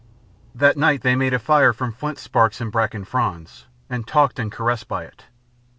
That night they made a fire from flint sparks and bracken fronds, and talked and caressed by it.